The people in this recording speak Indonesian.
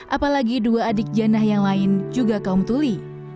apalagi dua adik janah yang lain juga kaum tuli